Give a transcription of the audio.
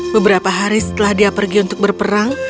beberapa hari setelah dia pergi untuk berperang